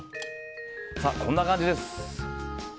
こんな感じです。